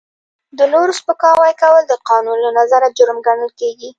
د نورو سپکاوی کول د قانون له نظره جرم ګڼل کیږي.